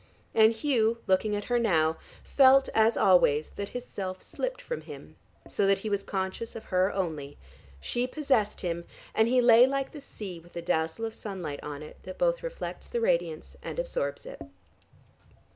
And Hugh, looking at her now, felt, as always, that his self slipped from him, so that he was conscious of her only; she possessed him, and he lay like the sea with the dazzle of sunlight on it that both reflects the radiance and absorbs it.